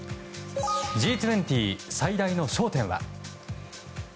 Ｇ２０、最大の焦点は。